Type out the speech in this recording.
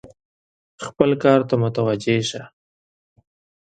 خپل کار ته متوجه شه !